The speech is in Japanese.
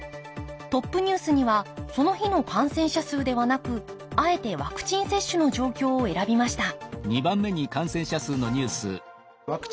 トップニュースにはその日の感染者数ではなくあえてワクチン接種の状況を選びました